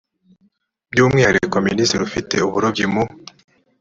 by umwihariko minisitiri ufite uburobyi mu